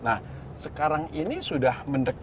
nah sekarang ini sudah semakin banyak